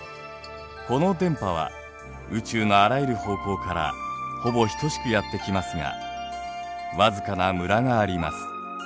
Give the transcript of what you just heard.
この電波は宇宙のあらゆる方向からほぼ等しくやって来ますがわずかなムラがあります。